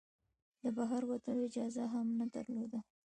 د بهر وتلو اجازه هم نه درلوده.